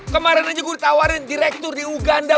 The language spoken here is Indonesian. kemarin ini gue ditawarin direktur di uganda